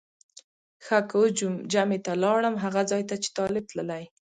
ښه که اوس جمعه ته لاړم هغه ځای ته چې طالب تللی.